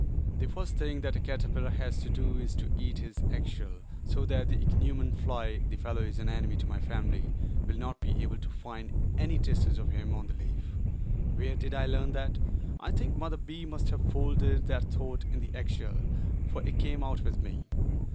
The first thing a caterpillar has to do is to eat his eggshell so that the ichneumon fly—the fellow is an enemy to my family—will not be able to find any traces of him on the leaf. Where did I learn that? I think Mother B. must have folded that thought in the eggshell, for it came out with me.